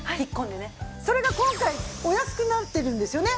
それが今回お安くなってるんですよね。